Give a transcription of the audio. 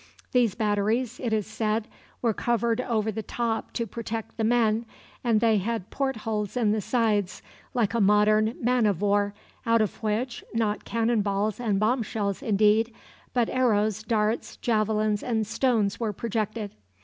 These batteries, it is said, were covered over on the top to protect the men, and they had port holes in the sides, like a modern man of war, out of which, not cannon balls and bomb shells indeed, but arrows, darts, javelins, and stones were projected.